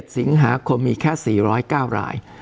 สิงหาคมมีแค่๔๐๙ราย